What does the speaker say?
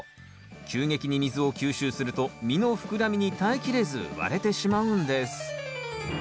急激に水を吸収すると実の膨らみに耐えきれず割れてしまうんです。